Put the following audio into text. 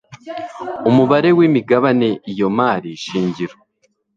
umubare w imigabane iyo mari shingiro